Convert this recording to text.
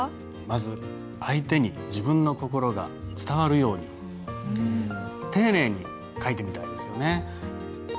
まず相手に自分の心が伝わるように丁寧に書いてみたいですよね。